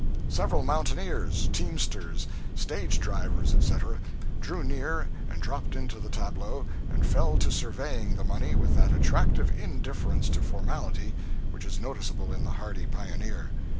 Several mountaineers, teamsters, stage drivers, etc., drew near and dropped into the tableau and fell to surveying the money with that attractive indifference to formality which is noticeable in the hardy pioneer.